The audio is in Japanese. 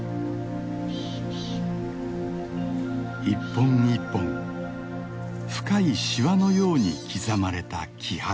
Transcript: １本１本深いしわのように刻まれた木肌。